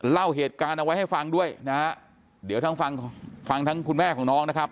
เล่าเหตุการณ์เอาไว้ให้ฟังด้วยนะฮะเดี๋ยวทั้งฟังฟังทั้งคุณแม่ของน้องนะครับ